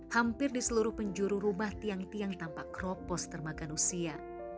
hampir di seluruh penjuru rumah tiang tiang tampak kropos termakan usia